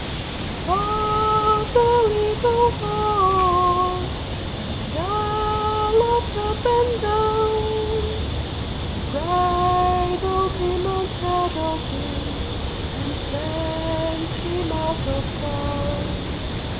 I bought a little horse, That galloped up and down; I bridled him and saddled him, And sent him out of town.